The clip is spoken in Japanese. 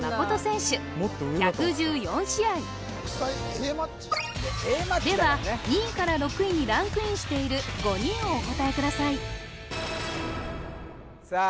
Ａマッチだからねでは２位から６位にランクインしている５人をお答えくださいさあ